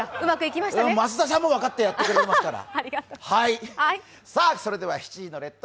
増田さんも分かってやってくれてますから。